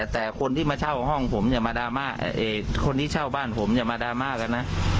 แต่คนที่เช่าบ้านผมจะมาดราม่ากันนะ